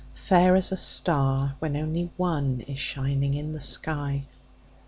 –Fair as a star, when only one Is shining in the sky.